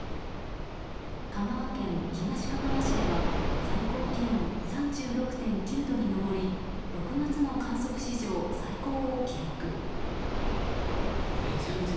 香川県東かがわ市では最高気温３６．９度に上り６月の観測史上最高を記録。